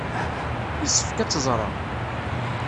Yessefk ad tt-ẓreɣ.